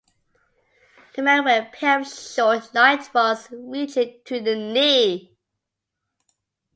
The men wear a pair of short light drawers reaching to the knee.